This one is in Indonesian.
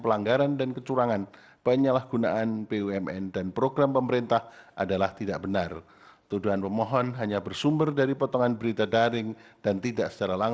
dua a pemerintah siapkan